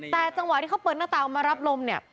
แต่จังหวะที่เขาเปิดหน้าต่างมารับลมเนี่ย